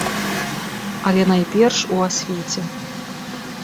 Але найперш у асвеце.